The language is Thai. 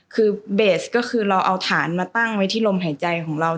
คือเบสก็คือเราเอาฐานมาตั้งไว้ที่ลมหายใจของเรา